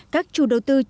các chủ đầu tư chấp hợp